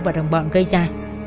và đồng bọn gây ra